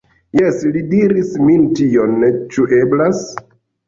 Jes, li diris min tion. Ĉu eblas?